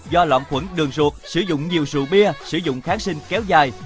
do loạn khuẩn đường ruột sử dụng nhiều rượu bia sử dụng kháng sinh kéo dài